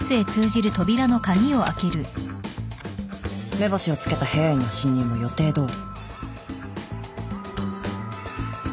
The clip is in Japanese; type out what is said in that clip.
目星をつけた部屋への侵入も予定どおり。